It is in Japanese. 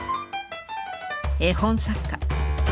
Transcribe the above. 絵本作家。